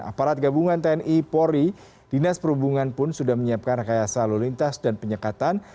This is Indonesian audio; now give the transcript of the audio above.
aparat gabungan tni polri dinas perhubungan pun sudah menyiapkan rekayasa lalu lintas dan penyekatan